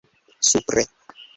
supre